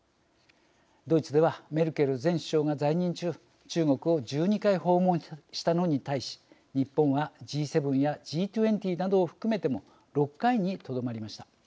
ドイツではメルケル前首相が在任中中国を１２回訪問したのに対し日本はＧ７やＧ２０などを含めても６回にとどまりました。